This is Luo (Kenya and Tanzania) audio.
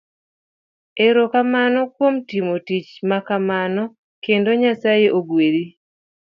Ero kamano kuom timo tich makamano,, kendo Nyasaye ogwedhi.